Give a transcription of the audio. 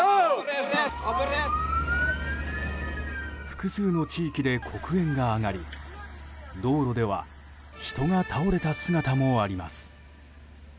複数の地域で黒煙が上がり道路では人が倒れた姿もあります。